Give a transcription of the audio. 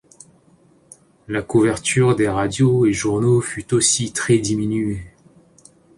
La couverture des radios et journaux fut aussi très diminuée.